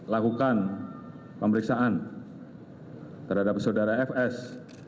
lakukan pemeriksaan terhadap saudara fs